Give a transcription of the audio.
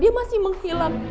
dia masih menghilang